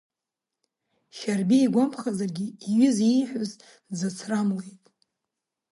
Шьарбеи игәамԥхазаргьы, иҩыза ииҳәаз дзацрамлеит.